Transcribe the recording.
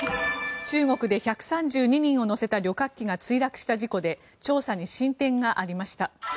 中国で１３２人を乗せた旅客機が墜落した事故で調査に進展がありました。